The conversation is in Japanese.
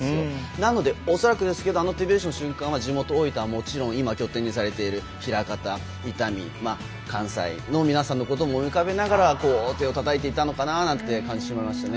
なので、恐らくですけどあの手拍子の瞬間は地元・大分はもちろん今拠点にされている枚方、伊丹関西の皆さんのことも浮かべながら手をたたいていたのかなという感じがしましたね。